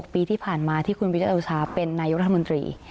๖ปีที่ผ่านมาที่คุณวิทยาลัยอุตสาหรับเป็นนายุรัฐมนตรี